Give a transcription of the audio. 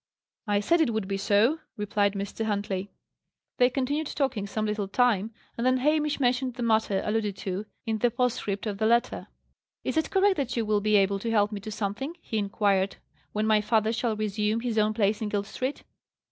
"I said it would be so," replied Mr. Huntley. They continued talking some little time, and then Hamish mentioned the matter alluded to in the postscript of the letter. "Is it correct that you will be able to help me to something," he inquired, "when my father shall resume his own place in Guild Street?"